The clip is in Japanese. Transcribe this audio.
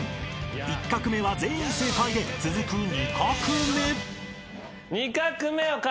［１画目は全員正解で続く２画目］